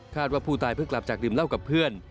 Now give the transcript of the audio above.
ว่าผู้ตายเพิ่งกลับจากดื่มเหล้ากับเพื่อน